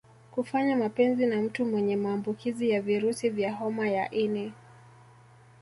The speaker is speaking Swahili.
Kufanya mapenzi na mtu mwenye maambukizi ya virusi vya homa ya ini